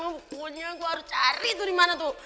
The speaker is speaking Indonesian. bukunya gua harus cari tuh dimana tuh